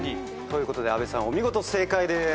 ということで阿部さんお見事正解でーす。